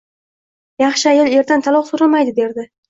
Yaxshi ayol eridan taloq soʻramaydi derdi.